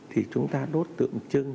thì chúng ta đốt tượng trưng